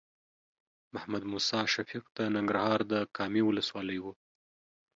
محمد موسی شفیق د ننګرهار د کامې ولسوالۍ و.